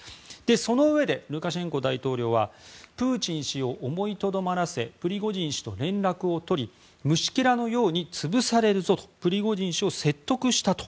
そのうえでルカシェンコ大統領はプーチン氏を思いとどまらせプリゴジン氏と連絡を取り虫けらのように潰されるぞとプリゴジン氏を説得したと。